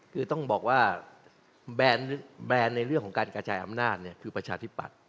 คือต้องบอกว่าแบรนด์ในเรื่องของการกระจายอำนาจคือประชาธิปัตย์